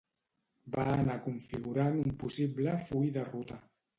Va anar configurant un possible full de ruta